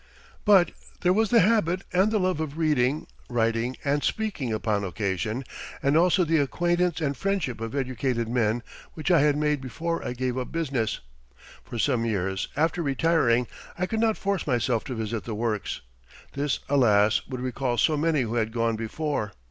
But there was the habit and the love of reading, writing and speaking upon occasion, and also the acquaintance and friendship of educated men which I had made before I gave up business. For some years after retiring I could not force myself to visit the works. This, alas, would recall so many who had gone before.